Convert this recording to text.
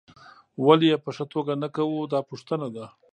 ولې یې په ښه توګه نه کوو دا پوښتنه ده.